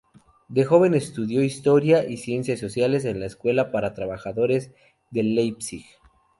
De joven estudió Historia y Ciencias Sociales en la Escuela para Trabajadores de Leipzig.